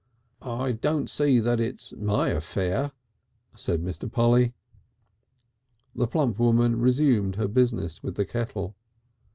"I don't see that it's my affair," said Mr. Polly. The plump woman resumed her business with the kettle.